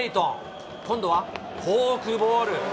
今度はフォークボール。